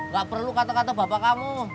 gak perlu kata kata bapak kamu